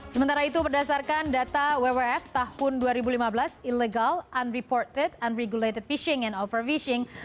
sementara itu berdasarkan data wwf tahun dua ribu lima belas illegal unreported unregulated fishing and overfishing